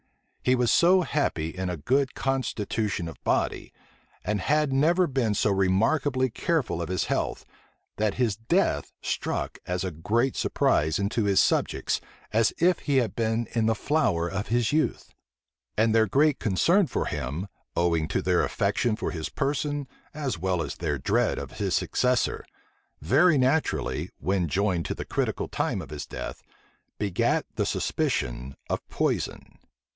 He was so happy in a good constitution of body, and had ever been so remarkably careful of his health, that his death struck as great a surprise into his subjects as if he had been in the flower of his youth. And their great concern for him, owing to their affection for his person, as well as their dread of his successor, very naturally, when joined to the critical time of his death, begat the suspicion of poison.